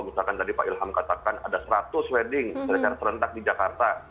misalkan tadi pak ilham katakan ada seratus wedding secara serentak di jakarta